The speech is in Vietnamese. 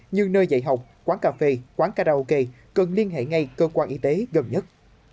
như nơi dạy học quán cà phê quán karaoke cần liên hệ ngay cơ quan y tế gần nhất